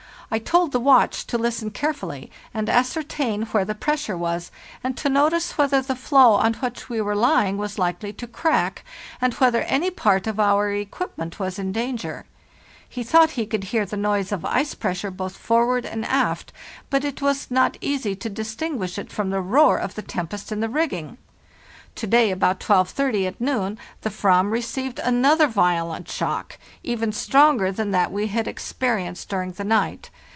I told the watch to listen carefully, and ascertain where the press ure was, and to notice whether the floe on which we were lying was likely to crack, and whether any part of our equipment was in danger. He thought he could hear the noise of ice pressure both forward and aft, but it was not easy to distinguish it from the roar of the tempest in the rigging. To day about 12.30 p.m. the fram received another violent shock, even stronger than that we had experienced during the night.